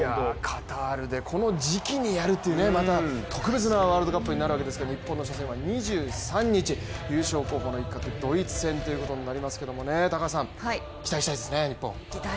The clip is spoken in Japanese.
カタールにこの時期でやるという、特別なワールドカップになるわけですけども、日本の初戦は２３日優勝候補の一角、ドイツ戦ということになるわけですけど期待したいですね。